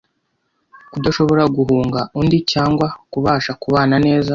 kudashobora guhunga undi cyangwa kubasha kubana neza